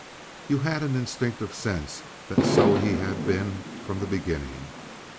You had an instinctive sense that so he had been from the beginning.